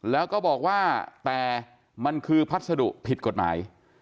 แล้วก็บอกว่าแต่มันคือพัสดุผิดกฎหมาย